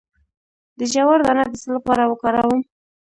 د جوار دانه د څه لپاره وکاروم؟